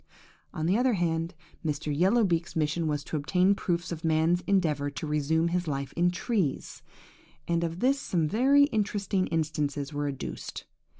"On the other hand, Mr. Yellow beak's mission was to obtain proofs of man's endeavour to resume his life in trees; and of this some very interesting instances were adduced.